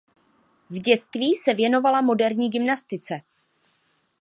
V dětství se věnovala moderní gymnastice.